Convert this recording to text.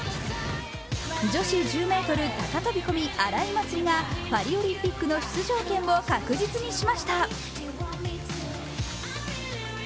女子１０ｍ高飛び込み、荒井祭里がパリオリンピックの出場権を確実にしました。